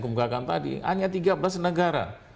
kemukakan tadi hanya tiga belas negara